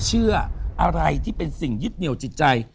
เชื่ออะไรที่เป็นสิ่งยึดเหนียวจิตใจ